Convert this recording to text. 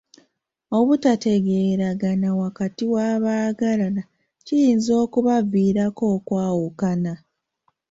Obutategeeragana wakati w'abaagalana kiyinza okubaviirako okwawukana.